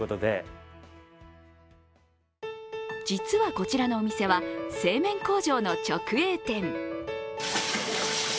実はこちらのお店は製麺工場の直営店。